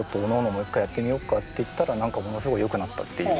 もう一回やってみようかっていったら何かものすごいよくなったっていう。